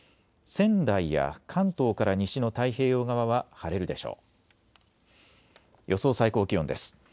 仙台や関東から西の太平洋側は晴れるでしょう。